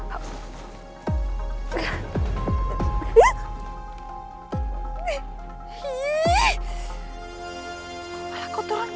kau tanya gak ada sih